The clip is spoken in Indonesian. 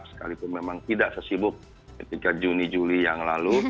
sekalipun memang tidak sesibuk ketika juni juli yang lalu